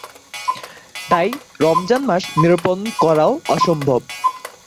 তাই, রমজান মাস নিরূপণ করাও অসম্ভব।